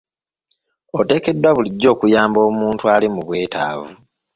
Oteekeddwa bulijjo okuyamba omuntu ali mu bwetaavu.